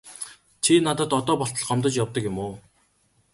Чи надад одоо болтол гомдож явдаг юм уу?